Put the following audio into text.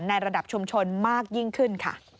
ในระดับชุมชนมากยิ่งขึ้นค่ะ